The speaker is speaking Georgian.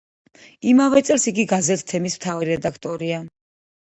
იმავე წელს იგი გაზეთ „თემის“ მთავარი რედაქტორია.